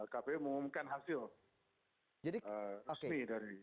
kpu mengumumkan hasil resmi dari